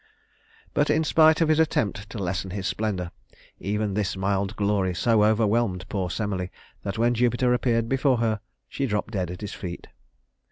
But in spite of his attempt to lessen his splendor, even this mild glory so overwhelmed poor Semele that when Jupiter appeared before her, she dropped dead at his feet.